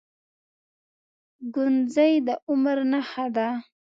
گونځې د عمر نښه ده.